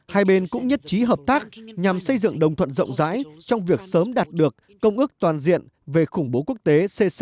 hai bên cũng nhất trí hợp tác nhằm xây dựng đồng thuận rộng rãi trong việc sớm đạt được công ước toàn diện về khủng bố quốc tế